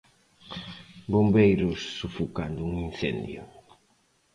Bombeiros sufocando un incendio.